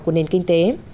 của nền kinh tế